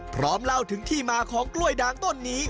พร้อมเล่าถึงที่มาของกล้วยดางต้นนี้